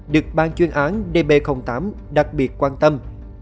được ban chuyên án db tám đặc biệt quan tâm